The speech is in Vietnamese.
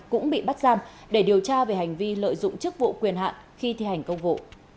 cũng bị bắt giam để điều tra về hành vi lợi dụng chức vụ quyền hạn khi thi hành công vụ